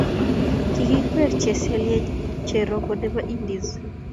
kikwer cheselyenye cherongo nebo Indies